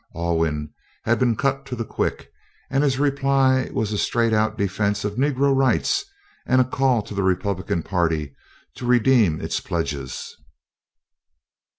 Alwyn had been cut to the quick, and his reply was a straight out defence of Negro rights and a call to the Republican Party to redeem its pledges.